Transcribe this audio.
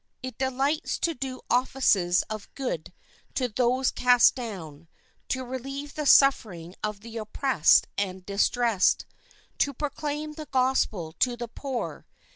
It delights to do offices of good to those cast down, to relieve the suffering of the oppressed and distressed, to proclaim the Gospel to the poor.